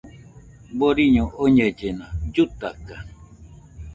Boriño oñellena, llutaka